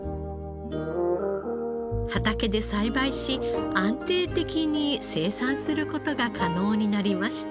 畑で栽培し安定的に生産する事が可能になりました。